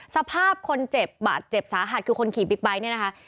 สภาพคนเจ็บบาดเจ็บสาหัสคือคนขี่บิ๊กไบท์เนี่ยนะคะ